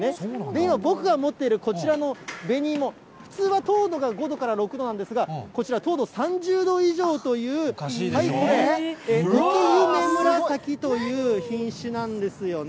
今、僕が持ってるこちらの紅芋、普通は糖度が５度から６度なんですが、こちらは糖度３０度以上という、これ、沖夢紫という品種なんですよね。